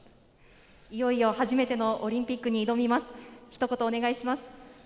いよいよ初めてのオリンピックに挑みます、一言お願いします。